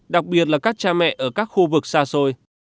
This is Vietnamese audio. đặc biệt là các cha mẹ ở các khu vực xa xôi